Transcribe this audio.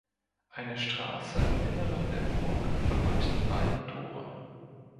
Eine Straße im Inneren der Burg verband die beiden Tore.